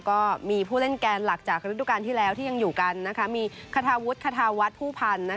ก็มีผู้เล่นแกนหลักจากฤดูการที่แล้วที่ยังอยู่กันมีคาทาวุฒิคาธาวัฒน์ผู้พันธ์